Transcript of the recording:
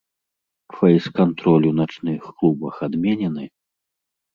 Фэйс-кантроль у начных клубах адменены?